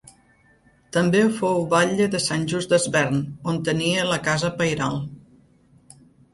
També fou batlle de Sant Just Desvern, on tenia la casa pairal.